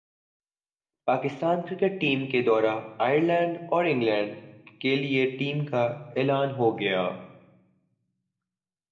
Pakistan cricket team کے دورہ Ireland اور انگلینڈ کیلئے ٹیم کا اعلان ہو گیا